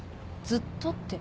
「ずっと」って？